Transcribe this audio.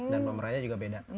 dan pemerannya juga beda